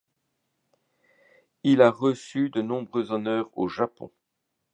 Il a reçu de nombreux honneurs au Japon.